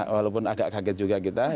walaupun agak kaget juga kita